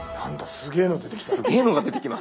すげえの出てきた。